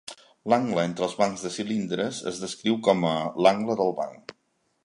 L'angle entre els bancs de cilindres es descriu com l'"angle del banc".